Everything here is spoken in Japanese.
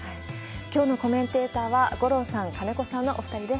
きょうのコメンテーターは、五郎さん、金子さんのお２人です。